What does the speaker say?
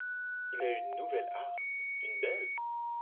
il a eu une nouvelle harpe, une belle.